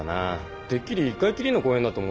てっきり１回きりの公演だと思ってたよ。